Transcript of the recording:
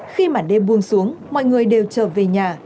khi màn đêm buông xuống mọi người đều trở về nhà